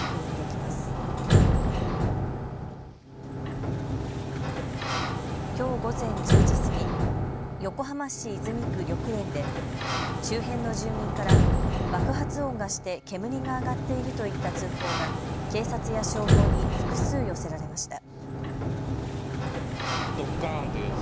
きょう午前１０時過ぎ、横浜市泉区緑園で周辺の住民から爆発音がして煙が上がっているといった通報が警察や消防に複数寄せられました。